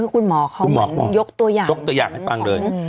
คุณหมอเขาคุณหมอบอกยกตัวอย่างยกตัวอย่างให้ฟังเลย